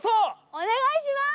お願いします！